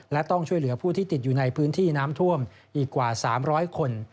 และต้องช่วยเหลือผู้ที่ติดอยู่ในพื้นที่น้ำท่วมอีกกว่า๓๐๐คน